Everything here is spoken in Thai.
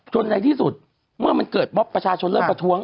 ในที่สุดเมื่อมันเกิดม็อบประชาชนเริ่มประท้วง